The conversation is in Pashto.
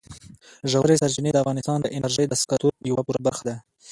ژورې سرچینې د افغانستان د انرژۍ د سکتور یوه پوره برخه ده.